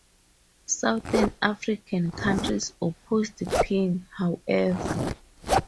Southern African countries opposed Ping, however.